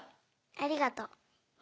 ありがとう。